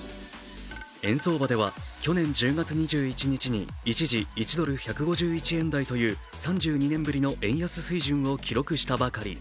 円相場では去年１０月２１日に一時、１ドル＝１５１円台という３２年ぶりの円安水準を記録したばかり。